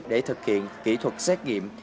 để thực hiện kỹ thuật xét nghiệm